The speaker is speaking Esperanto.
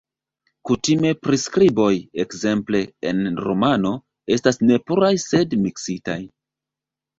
Kutime priskriboj, ekzemple en romano, estas ne puraj sed miksitaj.